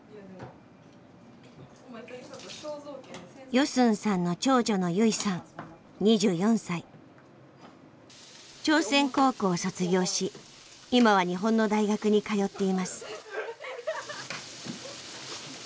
ヨスンさんの長女の朝鮮高校を卒業し今は日本の大学に通っています。